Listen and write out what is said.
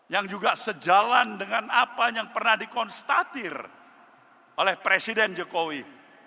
yang juga sejalan dengan apa yang pernah dikonstatir oleh presiden jokowi